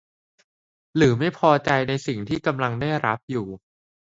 หรือไม่พอใจในสิ่งที่กำลังได้รับอยู่